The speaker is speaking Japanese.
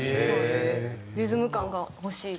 「リズム感が欲しい」って。